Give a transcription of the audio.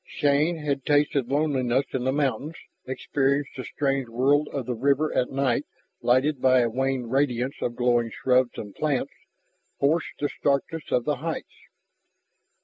Shann had tasted loneliness in the mountains, experienced the strange world of the river at night lighted by the wan radiance of glowing shrubs and plants, forced the starkness of the heights.